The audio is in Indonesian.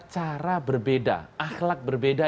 cara berbeda akhlak berbeda